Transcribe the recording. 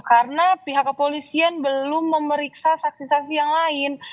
karena pihak kepolisian belum memeriksa saksi saksi yang lain